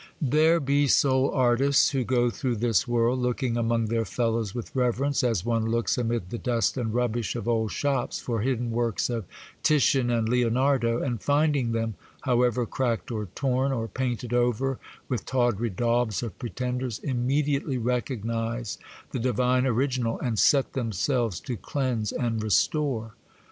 There be soul artists, who go through this world, looking among their fellows with reverence, as one looks amid the dust and rubbish of old shops for hidden works of Titian and Leonardo; and, finding them, however cracked or torn, or painted over with tawdry daubs of pretenders, immediately recognise the divine original, and set themselves to cleanse and restore.